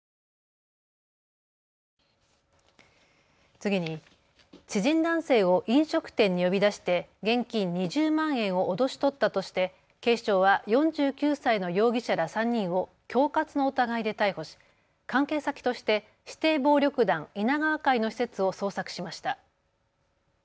次に、知人男性を飲食店に呼び出して現金２０万円を脅し取ったとして警視庁は４９歳の容疑者ら３人を恐喝の疑いで逮捕し関係先として指定暴力団、稲川会の施設を捜索しました。